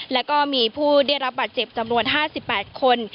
แล้วก็มีผู้ได้รับบาดเจ็บจำนวน๕๘คน